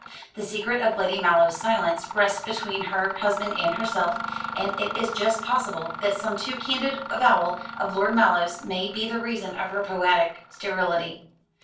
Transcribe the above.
The secret of Lady Mallow's silence rests between her husband and herself; and it is just possible that some too candid avowal of Lord Mallow's may be the reason of her poetic sterility.